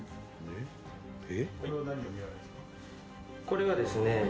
「これはですね